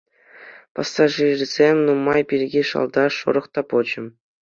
Пассажирсем нумай пирки шалта шӑрӑх та пӑчӑ.